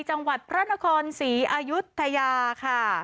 จังหวัดพระนครศรีอายุทยาค่ะ